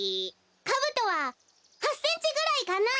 カブトは８センチぐらいかなあ。